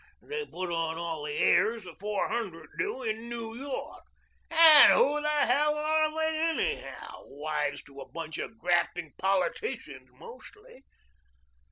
They put on all the airs the Four Hundred do in New York. And who the hell are they anyhow? wives to a bunch of grafting politicians mostly."